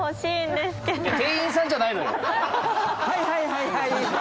はいはいはいはい。